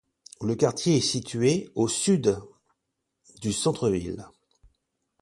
Le quartier est situé au sud du centre ville.